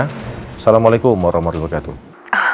assalamualaikum warahmatullahi wabarakatuh